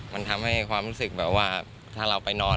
มันทำให้ความรู้สึกแบบว่าถ้าเราไปนอน